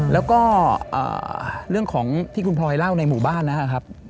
แล้วก็เรื่องของที่คุณพลอยเล่าในหมู่บ้านนะครับ